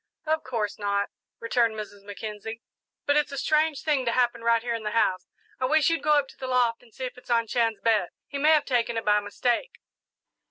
"Of course not," returned Mrs. Mackenzie; "but it's a strange thing to happen right here in the house. I wish you'd go up to the loft and see if it's on Chan's bed he may have taken it by mistake."